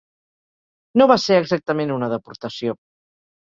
No va ser exactament una deportació.